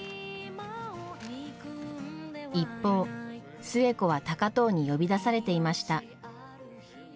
一方寿恵子は高藤に呼び出されていました。